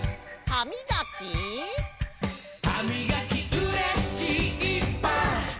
「はみがきうれしいぱ」